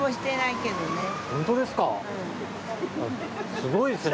すごいですね。